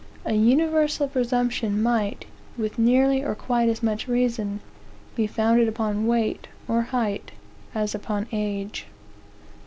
A universal presumption might, with nearly or quite as much reason, be founded upon weight, or height, as upon age.